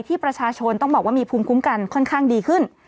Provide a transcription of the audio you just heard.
ที่ประชาชนต้องบอกว่ามีภูมิคุ้มกันค่อนข้างดีขึ้น